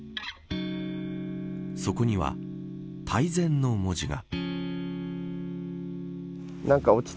そこには泰然の文字が。